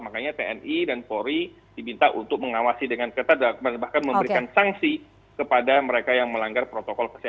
makanya tni dan polri diminta untuk mengawasi dengan ketat bahkan memberikan sanksi kepada mereka yang melanggar protokol kesehatan